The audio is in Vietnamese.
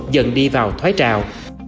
dần đi vào thoái trào